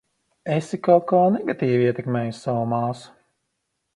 Esi kaut kā negatīvi ietekmējusi savu māsu.